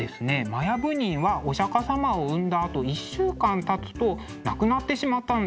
摩耶夫人はお釈様を産んだあと１週間たつと亡くなってしまったんだそうです。